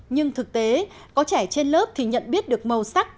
nhưng thực tế có trẻ trên lớp thì nhận biết được màu sắc